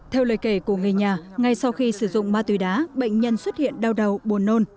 theo lời kể của người nhà ngay sau khi sử dụng ma túy đá bệnh nhân xuất hiện đau đầu buồn nôn